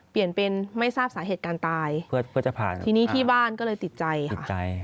เปลี่ยนเป็นไม่ทราบสาเหตุการตายที่นี่ที่บ้านก็เลยติดใจค่ะ